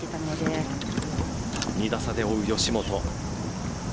２打差で追う吉本。